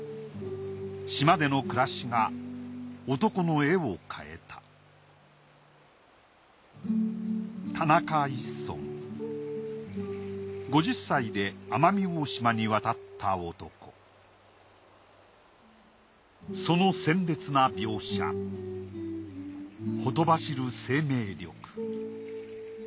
島での暮らしが男の絵を変えた５０歳で奄美大島に渡った男その鮮烈な描写ほとばしる生命力。